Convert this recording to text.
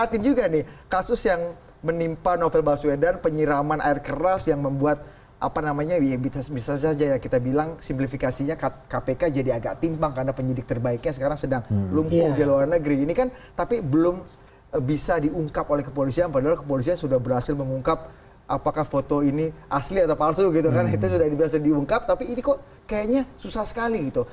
tidak diberi sediungkap tapi ini kok kayaknya susah sekali gitu